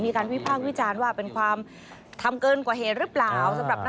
ท่านวิจารณ์ว่าเป็นความทำเกินกว่าเหรอเปล่า